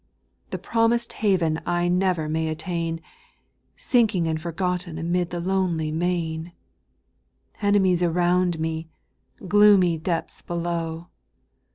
the promised haven I never may attain, Sinking and forgotten amid the lonely main ; Enemies around me, gloomy depths below.